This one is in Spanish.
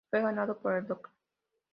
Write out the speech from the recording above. Fue ganado por el Dr.